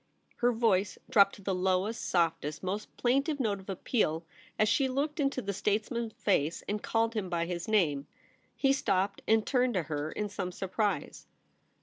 Her voice dropped to the lowest, softest, most plaintive note of appeal as she looked into the statesman's face and called him by his name. He stopped and turned to her in some surprise.